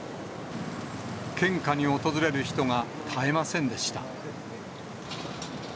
献花に訪れる人が絶えませんでした。